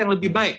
yang lebih baik